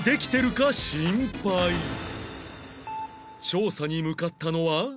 調査に向かったのは